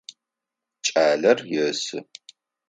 Кӏалэр есы.